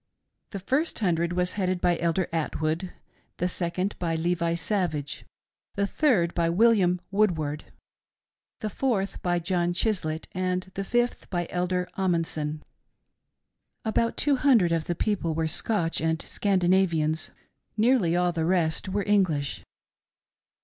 The first hundred was .headed by Elder Atwood, the second by Levi Savage, the thiifd by William Woodward, the fourth by John Chislett, and the fif& by Elder Ahmensen. About two hundred of the people were Scotch and Scandinavians ; nearly all the rest were English.